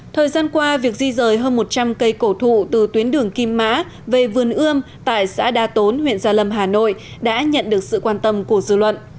thời gian qua việc di rời hơn một trăm linh cây cổ thụ từ tuyến đường kim mã về vườn ươm tại xã đa tốn huyện gia lâm hà nội đã nhận được sự quan tâm của dư luận